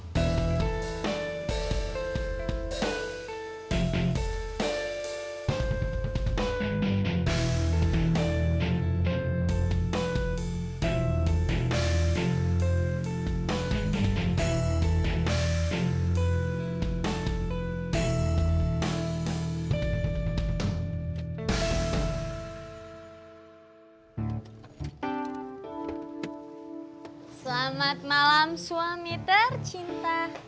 selamat malam suami tercinta